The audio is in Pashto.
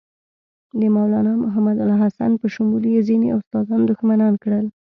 د مولنا محمودالحسن په شمول یې ځینې استادان دښمنان کړل.